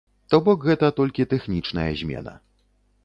То бок гэта толькі тэхнічная змена.